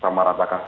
sama rata kasus